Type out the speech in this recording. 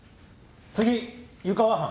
次湯川班。